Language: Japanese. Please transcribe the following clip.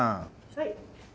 はい。